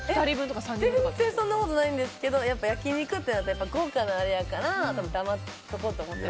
全然そんなことないですが焼き肉って豪華なあれやから黙っとこうと思ってる。